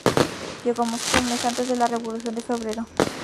Llegó a Moscú un mes antes de la Revolución de Febrero.